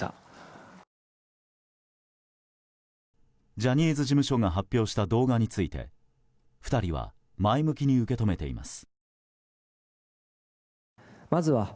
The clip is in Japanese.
ジャニーズ事務所が発表した動画について２人は前向きに受け止めています。